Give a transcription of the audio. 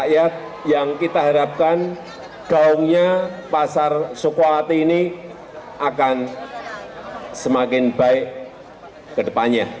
ketika ini saya mengharapkan bahwa pasaran ini akan semakin baik ke depannya